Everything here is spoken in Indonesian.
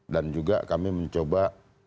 dan juga kami mencoba